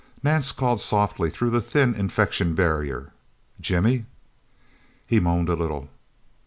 Nance called softly through the thin infection barrier. "Jimmy!" He moaned a little.